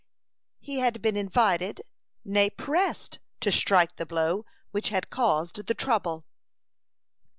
He had been invited, nay, pressed, to strike the blow which had caused the trouble.